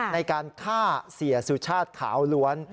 ในการฆ่าเสียสุชาติขาวล้วน